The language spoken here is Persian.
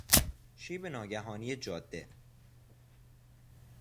شیب ناگهانی جاده